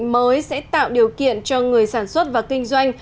nhiều điều kiện mới sẽ tạo điều kiện cho người sản xuất và kinh doanh